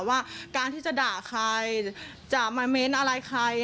ว่าการที่จะด่าใครจะมาเม้นอะไรใคร